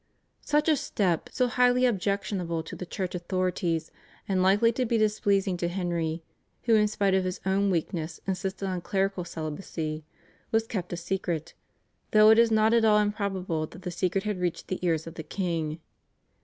Such a step, so highly objectionable to the Church authorities and likely to be displeasing to Henry, who in spite of his own weakness insisted on clerical celibacy, was kept a secret, though it is not at all improbable that the secret had reached the ears of the king.